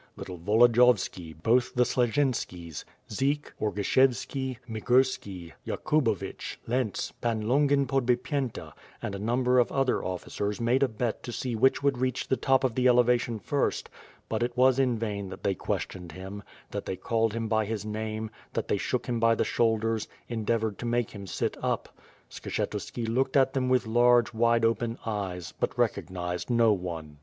Little Volodi yovski, both the Sleszinskis, Dzik, Orgishevski, Migurski, Yakubovitch, Lents, Pan Longin, Podbipyenta, and a num ber of other officers made a bet to see which would reach the top of the elevation first; but it was in vain that they ques tioned him; that they called him by his name; that they shook him by the shoulders; endeavored to make him sit up, — Skshetuski looked at them with large wide open eyes, but recognized no one.